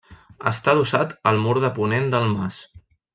Està adossat al mur de ponent del mas.